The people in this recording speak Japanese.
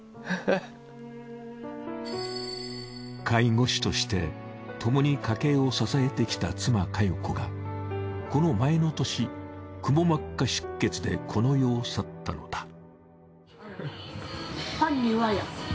介護士としてともに家計を支えてきた妻加代子がこの前の年くも膜下出血でこの世を去ったのだ。